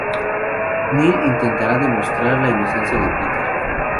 Neal intentará demostrar la inocencia de Peter.